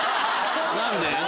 何で？